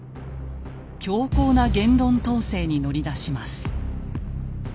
強硬な言論統制に乗り出します。